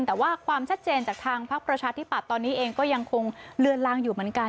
แต่ว่าความชัดเจนจากทางพักประชาธิปัตย์ตอนนี้เองก็ยังคงเลือนลางอยู่เหมือนกัน